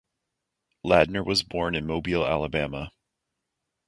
Ladner was born in Mobile, Alabama.